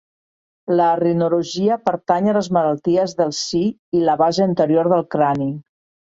La rinologia pertany a les malalties del si i la base anterior del crani.